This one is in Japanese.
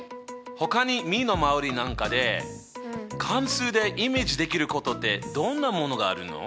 ほかに身の回りなんかで関数でイメージできることってどんなものがあるの？